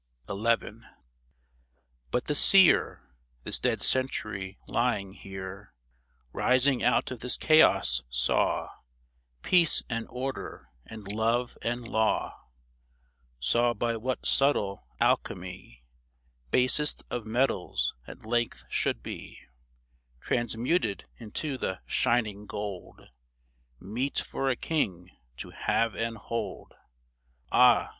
THE DEAD CENTURY lOI XI. But the Seer — This dead Century lying here — Rising out of this chaos, saw Peace and Order and Love and Law ! Saw by what subtle alchemy Basest of metals at length should be Transmuted into the shining gold, Meet for a king to have and hold. Ah